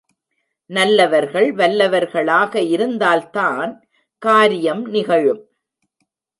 நல்லவர்கள் வல்லவர்களாக இருந்தால் தான், காரியம் நிகழும்.